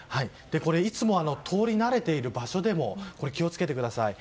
いつも通り慣れている場所でも気を付けてください。